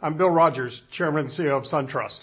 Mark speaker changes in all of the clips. Speaker 1: Hi, I'm Bill Rogers, Chairman and CEO of SunTrust.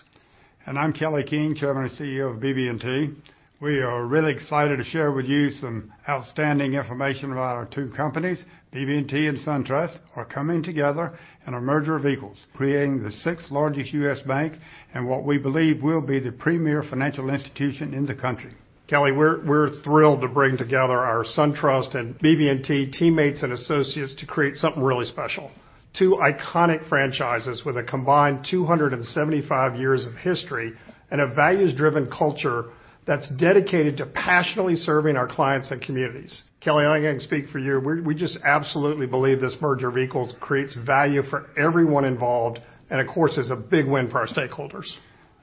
Speaker 2: I'm Kelly King, Chairman and CEO of BB&T. We are really excited to share with you some outstanding information about our two companies. BB&T and SunTrust are coming together in a merger of equals, creating the sixth largest U.S. bank and what we believe will be the premier financial institution in the country.
Speaker 1: Kelly, we're thrilled to bring together our SunTrust and BB&T teammates and associates to create something really special. Two iconic franchises with a combined 275 years of history and a values-driven culture that's dedicated to passionately serving our clients and communities. Kelly, I'm going to speak for you. We just absolutely believe this merger of equals creates value for everyone involved and of course, is a big win for our stakeholders.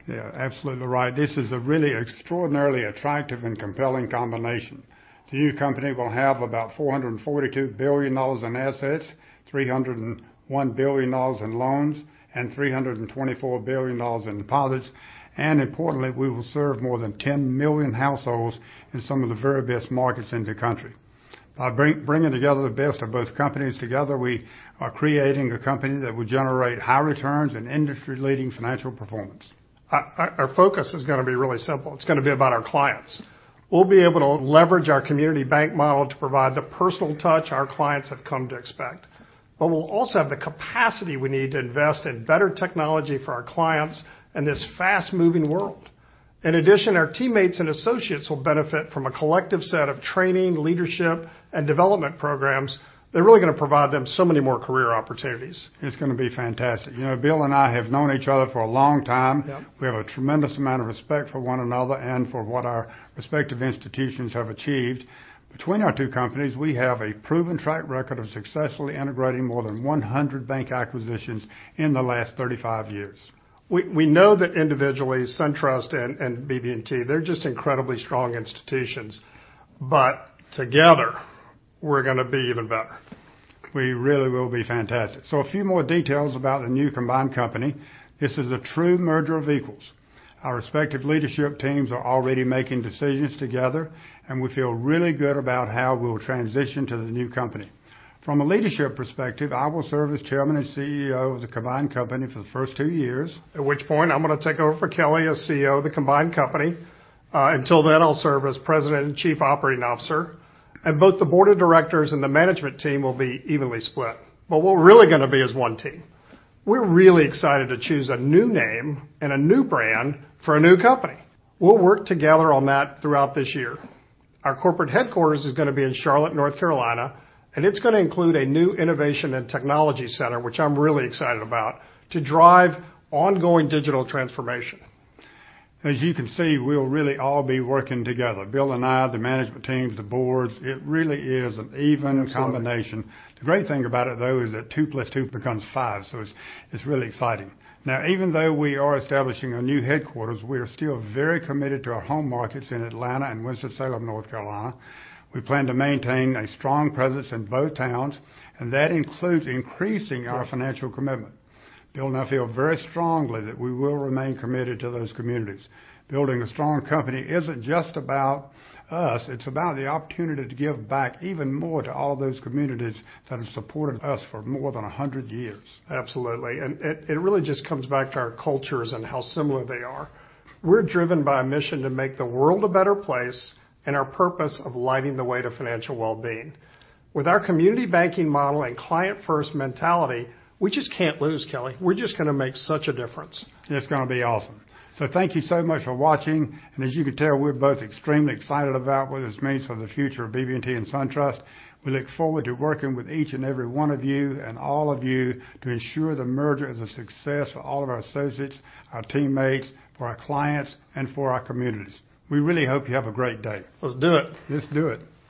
Speaker 2: Yeah, absolutely right. This is a really extraordinarily attractive and compelling combination. The new company will have about $442 billion in assets, $301 billion in loans, and $324 billion in deposits. Importantly, we will serve more than 10 million households in some of the very best markets in the country. By bringing together the best of both companies together, we are creating a company that will generate high returns and industry-leading financial performance.
Speaker 1: Our focus is going to be really simple. It's going to be about our clients. We'll be able to leverage our community bank model to provide the personal touch our clients have come to expect. We'll also have the capacity we need to invest in better technology for our clients in this fast-moving world. In addition, our teammates and associates will benefit from a collective set of training, leadership, and development programs that are really going to provide them so many more career opportunities.
Speaker 2: It's going to be fantastic. Bill and I have known each other for a long time.
Speaker 1: Yep.
Speaker 2: We have a tremendous amount of respect for one another and for what our respective institutions have achieved. Between our two companies, we have a proven track record of successfully integrating more than 100 bank acquisitions in the last 35 years.
Speaker 1: We know that individually, SunTrust and BB&T, they're just incredibly strong institutions. Together, we're going to be even better.
Speaker 2: We really will be fantastic. A few more details about the new combined company. This is a true merger of equals. Our respective leadership teams are already making decisions together, and we feel really good about how we'll transition to the new company. From a leadership perspective, I will serve as Chairman and CEO of the combined company for the first two years.
Speaker 1: At which point I'm going to take over for Kelly as CEO of the combined company. Until then, I'll serve as President and Chief Operating Officer. Both the board of directors and the management team will be evenly split. What we're really going to be is one team. We're really excited to choose a new name and a new brand for a new company. We'll work together on that throughout this year. Our corporate headquarters is going to be in Charlotte, North Carolina, and it's going to include a new innovation and technology center, which I'm really excited about, to drive ongoing digital transformation.
Speaker 2: As you can see, we'll really all be working together. Bill and I, the management teams, the boards. It really is an even combination.
Speaker 1: Absolutely.
Speaker 2: The great thing about it, though, is that two plus two becomes five, it's really exciting. Even though we are establishing a new headquarters, we are still very committed to our home markets in Atlanta and Winston-Salem, North Carolina. We plan to maintain a strong presence in both towns, and that includes increasing our financial commitment. Bill and I feel very strongly that we will remain committed to those communities. Building a strong company isn't just about us. It's about the opportunity to give back even more to all those communities that have supported us for more than 100 years.
Speaker 1: Absolutely. It really just comes back to our cultures and how similar they are. We're driven by a mission to make the world a better place and our purpose of lighting the way to financial well-being. With our community bank model and client-first mentality, we just can't lose, Kelly. We're just going to make such a difference.
Speaker 2: It's going to be awesome. Thank you so much for watching, and as you can tell, we're both extremely excited about what this means for the future of BB&T and SunTrust. We look forward to working with each and every one of you and all of you to ensure the merger is a success for all of our associates, our teammates, for our clients, and for our communities. We really hope you have a great day.
Speaker 1: Let's do it.
Speaker 2: Let's do it.